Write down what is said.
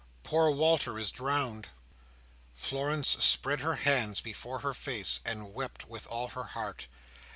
Poor Walter is drowned." Florence spread her hands before her face, and wept with all her heart.